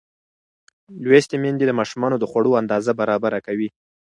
لوستې میندې د ماشومانو د خوړو اندازه برابره کوي.